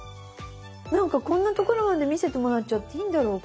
なんかこんなところまで見せてもらっちゃっていいんだろうか。